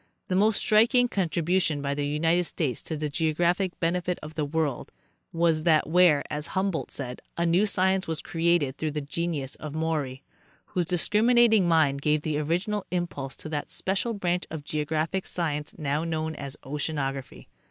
The most striking contribution by the United States to the geo graphic benefit of the world was that where, as Humboldt said, a new science was created through the genius of Maury, whose discriminating mind gave the original impulse to that special branch of geographic science now known as oceanography.